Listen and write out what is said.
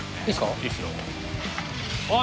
いいですよ。